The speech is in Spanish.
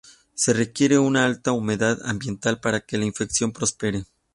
Se requiere una alta humedad ambiental para que la infección prospere.